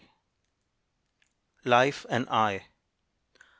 LIFE AND I.